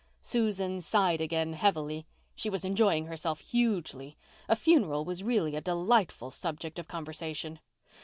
Susan sighed again heavily. She was enjoying herself hugely. A funeral was really a delightful subject of conversation.